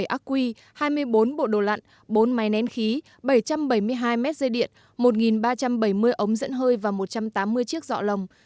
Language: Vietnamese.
một mươi ác quy hai mươi bốn bộ đồ lặn bốn máy nén khí bảy trăm bảy mươi hai mét dây điện một ba trăm bảy mươi ống dẫn hơi và một trăm tám mươi chiếc dọ lồng